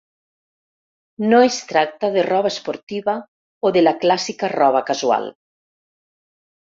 No es tracta de roba esportiva o de la clàssica roba casual.